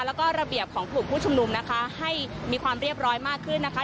แล้วก็ระเบียบของกลุ่มผู้ชุมนุมนะคะให้มีความเรียบร้อยมากขึ้นนะคะ